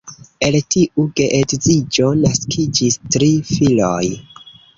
El tiu geedziĝo naskiĝis tri filoj.